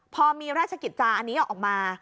พอมีราชกิจจาอันนี้ออกมา